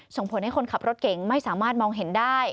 ส่งผลให้คนขับรถเก่งไม่สามารถมองเห็นได้